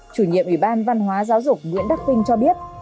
chủ nhiệm ủy ban văn hóa giáo dục nguyễn đắc vinh cho biết